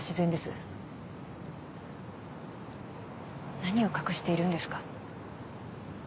何を隠しているんですか。